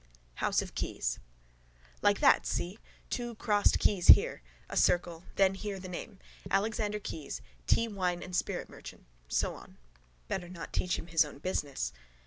HOUSE OF KEY(E)S —Like that, see. Two crossed keys here. A circle. Then here the name. Alexander Keyes, tea, wine and spirit merchant. So on. Better not teach him his own business.